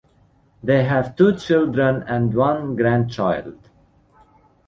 They have two children and one grandchild.